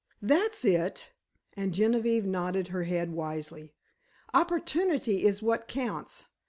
"That's it," and Genevieve nodded her head wisely. "Opportunity is what counts.